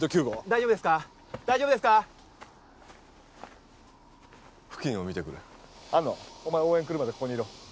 大丈夫ですか？大丈夫ですか？付近を見てくる安野お前応援来るまでここにいろ